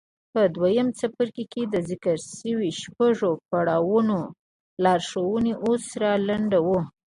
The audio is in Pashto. په دويم څپرکي کې د ذکر شويو شپږو پړاوونو لارښوونې اوس را لنډوو.